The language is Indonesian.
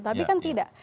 tapi kan tidak